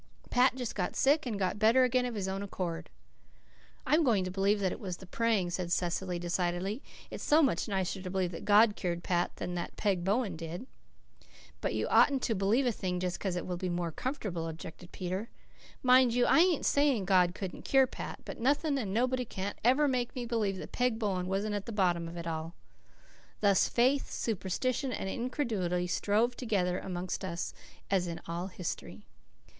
"Pat just got sick and got better again of his own accord." "I'm going to believe that it was the praying," said Cecily decidedly. "It's so much nicer to believe that God cured Pat than that Peg Bowen did." "But you oughtn't to believe a thing just 'cause it would be more comfortable," objected Peter. "Mind you, I ain't saying God couldn't cure Pat. But nothing and nobody can't ever make me believe that Peg Bowen wasn't at the bottom of it all." Thus faith, superstition, and incredulity strove together amongst us, as in all history.